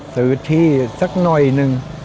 ซื้อที่สักหน่อยหนึ่ง